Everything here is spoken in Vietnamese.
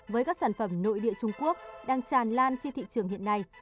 với các sản phẩm nội địa trung quốc đang tràn lan trên thị trường hiện nay